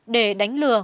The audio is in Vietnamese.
để đánh lừa